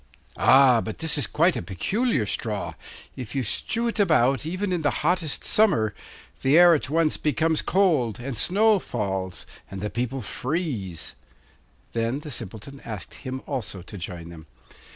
'Ah! but this is quite a peculiar straw. If you strew it about even in the hottest summer the air at once becomes cold, and snow falls, and the people freeze.' Then the Simpleton asked him also to join them.